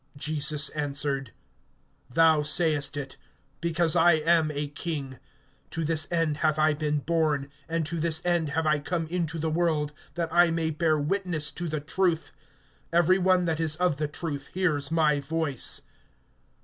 Jesus answered: Thou sayest it; because I am a king. To this end have I been born, and to this end have I come into the world, that I may bear witness to the truth. Every one that is of the truth hears my voice.